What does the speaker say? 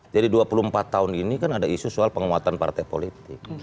jadi dua puluh empat tahun ini kan ada isu soal penguatan partai politik